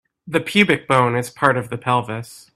The pubic bone is part of the pelvis.